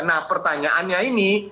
nah pertanyaannya ini